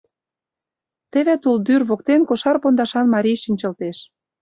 Теве тулдӱр воктен кошар пондашан марий шинчылтеш.